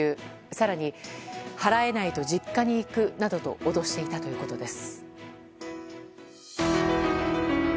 更に払えないと実家に行くなどと脅していたということです。